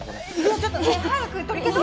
ちょっと早く取り消そ。